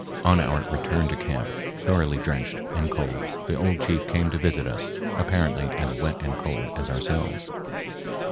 On our return to camp, thoroughly drenched and cold, the old chief came to visit us, apparently as wet and cold as ourselves.